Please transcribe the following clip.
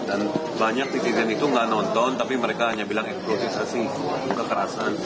dan banyak titik titik itu enggak nonton tapi mereka hanya bilang improvisasi kekerasan